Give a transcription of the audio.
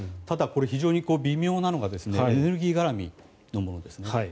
ただこれ、非常に微妙なのがエネルギー絡みのものですね。